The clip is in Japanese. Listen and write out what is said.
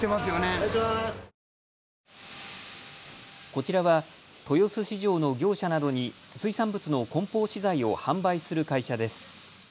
こちらは豊洲市場の業者などに水産物のこん包資材を販売する会社です。